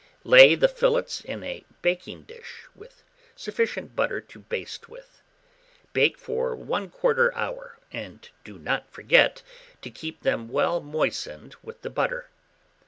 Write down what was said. Lay the fillets in a baking dish, with sufficient butter to baste with. Bake for 1/4 hour, and do not forget to keep them well moistened with the butter.